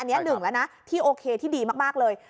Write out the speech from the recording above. อันนี้หนึ่งแล้วนะที่โอเคที่ดีมากเลย